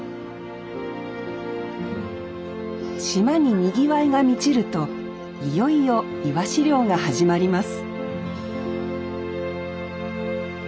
島ににぎわいが満ちるといよいよイワシ漁が始まります